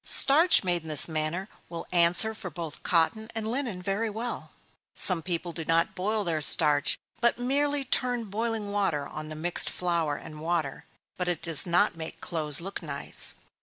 Starch made in this manner will answer for both cotton and linen very well. Some people do not boil their starch, but merely turn boiling water on the mixed flour and water, but it does not make clothes look nice.